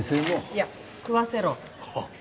いや食わせろ。